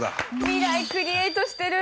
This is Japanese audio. ミライクリエイトしてる！